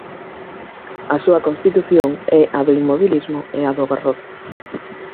A súa constitución é a do inmobilismo e a do garrote.